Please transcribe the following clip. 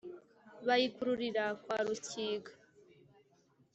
Bayikururira kwa Rutsinga,